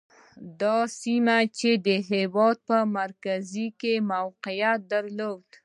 دا سیمه چې د هېواد په مرکز کې یې موقعیت درلود.